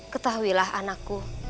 ketahui lah anakku